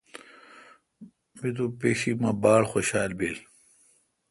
می تو پیشی مہ باڑ خوشال بل۔